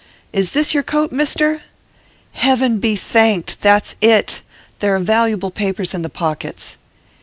'Is this your coat, Mister?' 'Heaven be thanked! That's it! There are valuable papers in the pockets.